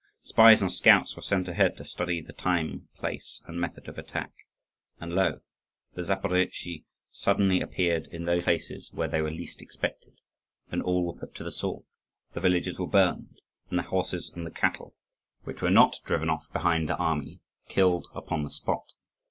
Spies and scouts were sent ahead to study the time, place, and method of attack. And lo! the Zaporozhtzi suddenly appeared in those places where they were least expected: then all were put to the sword; the villages were burned; and the horses and cattle which were not driven off behind the army killed upon the spot.